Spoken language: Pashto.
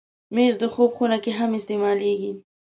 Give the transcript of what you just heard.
مېز د خوب خونه کې هم استعمالېږي.